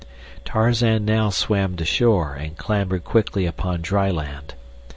Tarzan now swam to shore and clambered quickly upon dry land.